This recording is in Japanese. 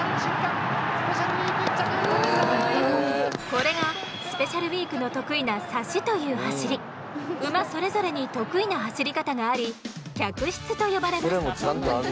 これがスペシャルウィークの得意な馬それぞれに得意な走り方があり「脚質」と呼ばれます。